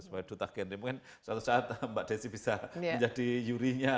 mungkin suatu saat mbak desy bisa menjadi yurinya